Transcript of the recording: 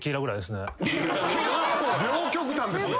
両極端ですね。